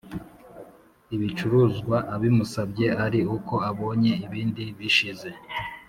Ibicuruzwa ubimusabye ari uko abonye ibindi bishize